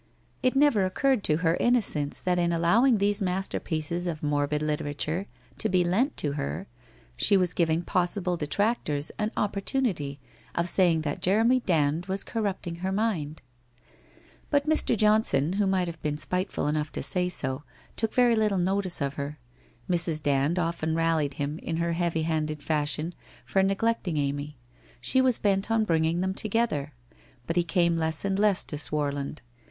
It never occurred to her innocence that in allowing these masterpieces of morbid literature to be lent to her, she was giving possible detractors an opportunity of saying that Jeremy Dand was corrupting hrr mind. Hut Mr. Johnson, who might have been spiteful enough ay so, took very little notice of her. Mrs. Dand often rallied him in her heavy handed fashion for neglecting Amy. She was bent on bringing them together. But he came less and less to Swarland.